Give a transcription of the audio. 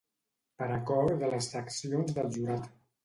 Per acord de les seccions del Jurat.